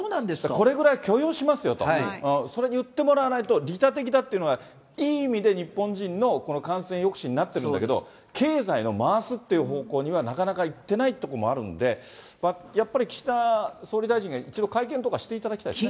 これぐらい、許容しますよと、それ言ってもらわないと、利他的だっていうのが、いい意味で日本人の感染抑止になってるんだけど、経済を回すっていう方向には、なかなかいってないところもあるんで、やっぱり岸田総理大臣が一度会見とかしていただきたいですね。